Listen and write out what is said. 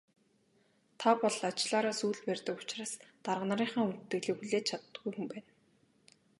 Та бол ажлаараа сүүл барьдаг учраас дарга нарынхаа хүндэтгэлийг хүлээж чаддаггүй хүн байна.